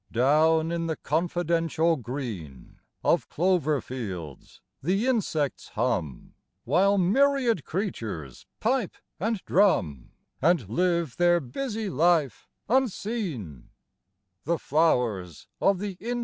Down in the confidential green Of clover fields the insects hum, While myriad creatures pipe and drum, Alld live their busy life unseen.